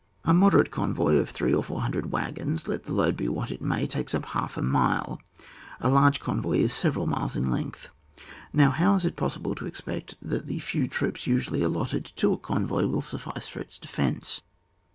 A moderate convoy of three or four hundred wagons, let the load be what it may, takes up half a mile, a large con voy is several miles in length. Now, how is it possible to expect that the few troops usually allott^ to a convoy will suffice for its defence